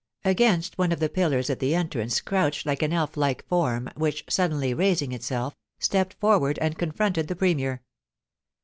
Against one of the pillars at the entrance crouched an elf like human form, which, suddenly raising itself, stepped forward and confronted the Premier.